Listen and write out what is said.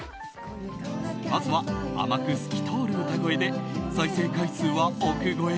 まずは、甘く透き通る歌声で再生回数は億超え